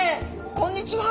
こんにちは。